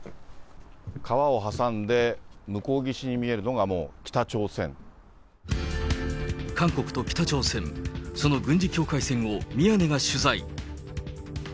川を挟んで向こう岸に見えるのが、韓国と北朝鮮、その軍事境界線を宮根が取材。